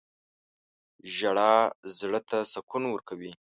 • ژړا زړه ته سکون ورکوي.